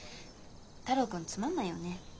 太郎君つまんないよね。